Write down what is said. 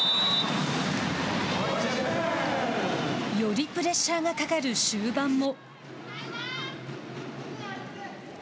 よりプレッシャーがかかる終盤も。